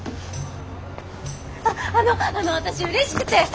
あっあのあの私嬉しくて。